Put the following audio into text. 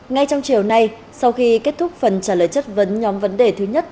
ngay trong chiều nay sau khi kết thúc phần trả lời chất vấn nhóm vấn đề thứ nhất